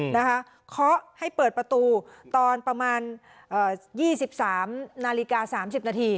นะคะข้อให้เปิดประตูตอนประมาณเอ่อยี่สิบสามนาฬิกาสามสิบนาที